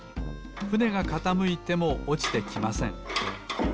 ふねがかたむいてもおちてきません。